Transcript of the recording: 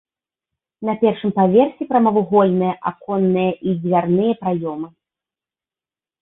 На першым паверсе прамавугольныя аконныя і дзвярныя праёмы.